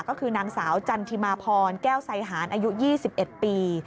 ก็คือนางสาวจันทิมาพรแก้วไซหารอายุ๒๑ปี